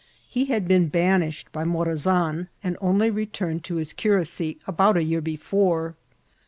He had been banished by Morazan, and only returned to his curacy about a year before.